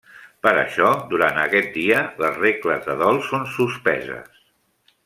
Per això, durant aquest dia, les regles de dol són suspeses.